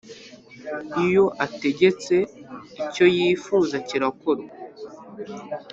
Iyo ategetse, icyo yifuza kirakorwa,